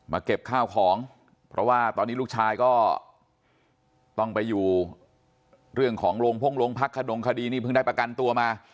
เก็บข้าวของเพราะว่าตอนนี้ลูกชายก็ต้องไปอยู่เรื่องของโรงพ่งโรงพักขดงคดีนี่เพิ่งได้ประกันตัวมา